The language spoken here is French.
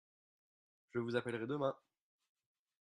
Je vous appellerai demain.